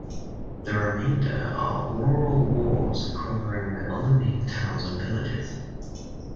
The remainder are rural wards covering the other main towns and villages.